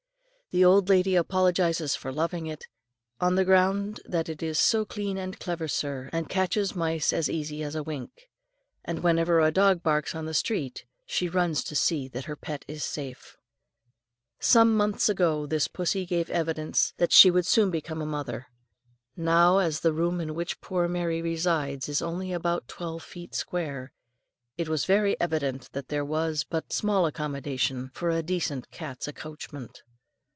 The old lady apologises for loving it, on the ground that it is "So clean and clever, sir, and catches mice as easy as wink;" and whenever a dog barks on the street, she runs to see that her pet is safe. Some months ago this pussy gave evidence that she would soon become a mother. Now as the room in which poor Mary resides is only about twelve feet square, it was very evident there was but small accommodation for a decent cat's accouchement.